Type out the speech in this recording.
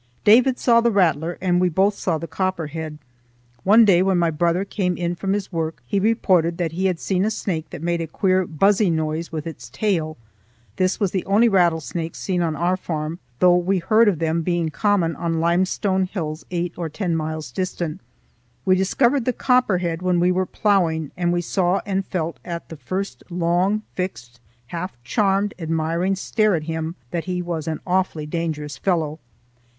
David saw the rattler, and we both saw the copperhead. One day, when my brother came in from his work, he reported that he had seen a snake that made a queer buzzy noise with its tail. This was the only rattlesnake seen on our farm, though we heard of them being common on limestone hills eight or ten miles distant. We discovered the copperhead when we were ploughing, and we saw and felt at the first long, fixed, half charmed, admiring stare at him that he was an awfully dangerous fellow.